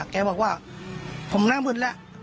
แกบอกว่าผมหน้ามืดแล้ว